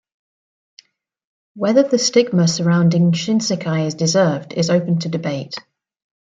Whether the stigma surrounding Shinsekai is deserved is open to debate.